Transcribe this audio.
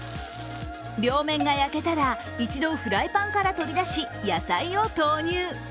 両面が焼けたら一度フライパンから取り出し、野菜を投入。